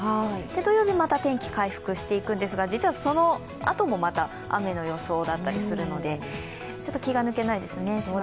土曜日また天気回復していくんですが、実はそのあとも、また雨の予想だったりするので、ちょっと気が抜けないですね。